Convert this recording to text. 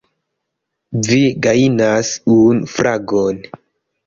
Vi gajnas unu fragon!